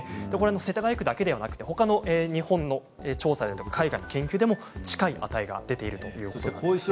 世田谷区だけではなくてほかの日本の調査だとか海外の研究でも近い値が出ています。